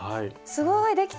すごいできた！